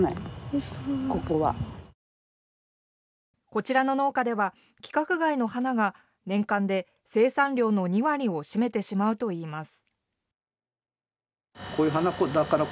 こちらの農家では規格外の花が年間で生産量の２割を占めてしまうといいます。